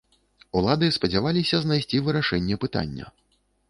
Улады спадзяваліся знайсці вырашэнне пытання.